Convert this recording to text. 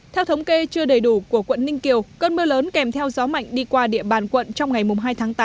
theo thống kê chưa đầy đủ của quận ninh kiều cơn mưa lớn kèm theo gió mạnh đi qua địa bàn quận trong ngày hai tháng tám